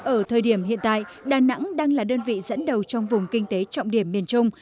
ở thời điểm hiện tại đà nẵng đang là đơn vị dẫn đầu trong vùng kinh tế trọng điểm miền trung